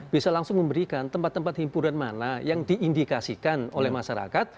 bisa langsung memberikan tempat tempat hiburan mana yang diindikasikan oleh masyarakat